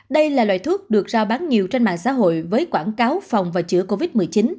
đây là loại thuốc được rao bán nhiều trên mạng xã hội với quảng cáo phòng và chữa covid một mươi chín